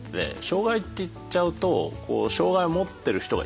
障害って言っちゃうと障害をもってる人がいると。